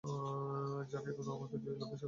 যাক এখন আমাকে, জয়ী লোকের সাথে হাত মিলাতে দাও।